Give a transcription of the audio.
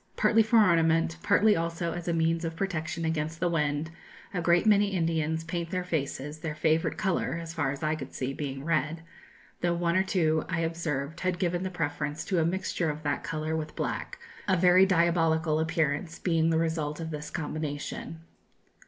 Partly for ornament, partly also as a means of protection against the wind, a great many Indians paint their faces, their favourite colour, as far as I could see, being red, though one or two I observed had given the preference to a mixture of that colour with black, a very diabolical appearance being the result of this combination."